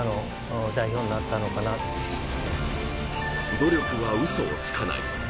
努力はうそをつかない。